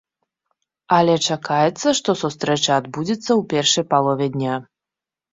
Але чакаецца, што сустрэча адбудзецца ў першай палове дня.